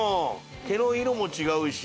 毛の色も違うし。